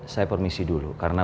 saya permisi dulu karena